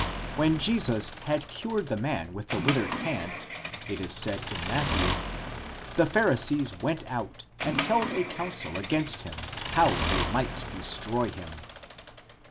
When Jesus had cured the man with the withered hand, it is said in Matthew: the Pharisees went out, and held a council against him, how they might destroy him (xii.